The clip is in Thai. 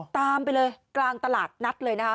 ตามไปเลยกลางตลาดนัดเลยนะคะ